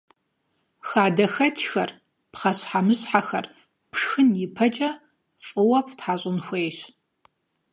ХадэхэкӀхэр, пхъэщхьэмыщхьэхэр пшхын ипэкӀэ фӀыуэ птхьэщӀын хуейщ.